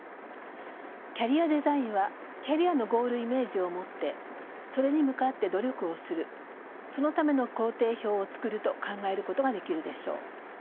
キャリアデザインはキャリアのゴールイメージを持ってそれに向かって努力をするそのための行程表を作ると考えることができるでしょう。